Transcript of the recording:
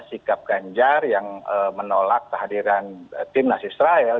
sikap ganjar yang menolak kehadiran tim nasisrael